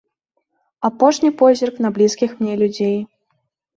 Апошні позірк на блізкіх мне людзей.